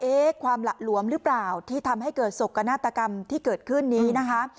ความหละหลวมหรือเปล่าที่ทำให้เกิดศกนาฏกรรมที่เกิดขึ้นนี้นะคะ